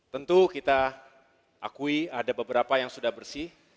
tentu kita akui ada beberapa yang sudah bersih